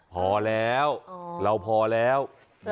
พอแล้วเราพอแล้ว